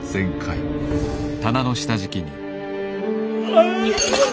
ああ！